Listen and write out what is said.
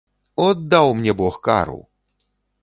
От даў мне бог кару!